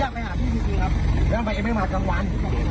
อยากไปหาพี่จริงจริงครับอยากไปไอ้ไอ้ไม่หมากลางวัน